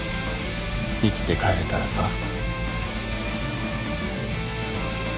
生きて帰れたらさ。